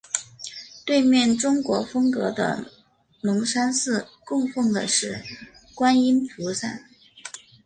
对面中国风格的龙山寺供奉的是观音菩萨。